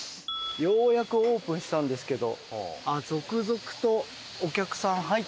ようやくオープンしたんですけど。